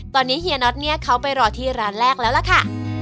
ตอนนี้เฮียน็อตเนี่ยเขาไปรอที่ร้านแรกแล้วล่ะค่ะ